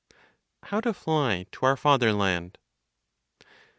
HOW TO FLY TO OUR FATHERLAND.